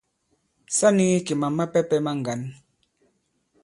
Sa nīgī kì màm mapɛ̄pɛ̄ ma ŋgǎn.